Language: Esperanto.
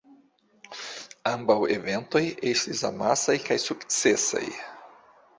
Ambaŭ eventoj estis amasaj kaj sukcesaj.